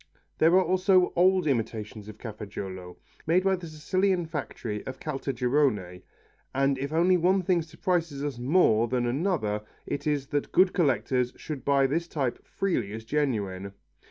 There are also old imitations of Cafaggiolo, made by the Sicilian factory of Caltagirone, and if one thing surprises us more than another it is that good collectors should buy this type freely as genuine.